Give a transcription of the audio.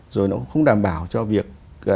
rồi nó không đảm bảo cho việc